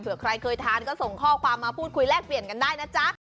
ใครเคยทานก็ส่งข้อความมาพูดคุยแลกเปลี่ยนกันได้นะจ๊ะ